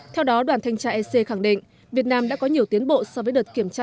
theo đó đoàn thanh tra ec khẳng định việt nam đã có nhiều tiến bộ so với đợt kiểm tra